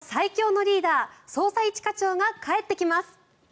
あの最強のリーダー捜査一課長が帰ってきます！